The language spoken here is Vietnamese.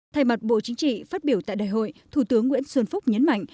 thay mặt bộ chính trị phát biểu tại đại hội thủ tướng nguyễn xuân phúc nhấn mạnh